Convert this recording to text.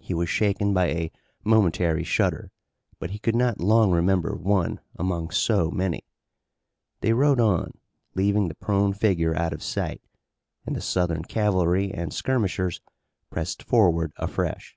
He was shaken by a momentary shudder, but he could not long remember one among so many. They rode on, leaving the prone figure out of sight, and the Southern cavalry and skirmishers pressed forward afresh.